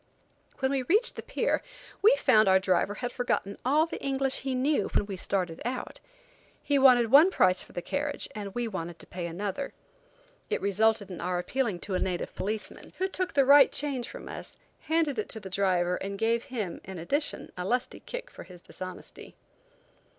When we reached the pier, we found our driver had forgotten all the English he knew when we started out. He wanted one price for the carriage and we wanted to pay another. It resulted in our appealing to a native policeman, who took the right change from us, handed it to the driver, and gave him, in addition, a lusty kick for his dishonesty.